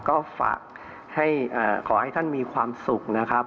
ก็ฝากขอให้ท่านมีความสุขนะครับ